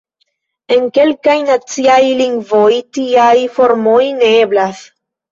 En kelkaj naciaj lingvoj tiaj formoj ne eblas.